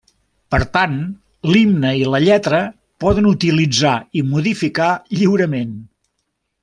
Per tant, l'himne i la lletra poden utilitzar i modificar lliurement.